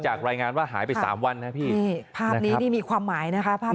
จากรายงานว่าหายไป๓วันนาทีภาพนี้มีความหมายนะครับภาพ